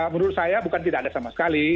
menurut saya bukan tidak ada sama sekali